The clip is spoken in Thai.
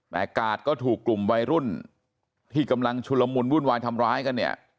แต่กาดก็ถูกกลุ่มวัยรุ่นที่กำลังชุลมุนวุ่นวายทำร้ายกันเนี่ย